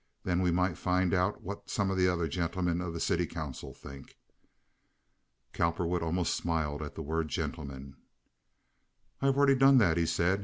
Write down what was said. Then we might find out what some of the other gentlemen of the city council think." Cowperwood almost smiled at the word "gentlemen." "I have already done that," he said.